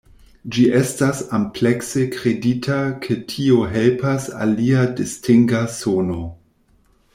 Ĝi estas amplekse kredita ke tio helpas al lia distinga sono.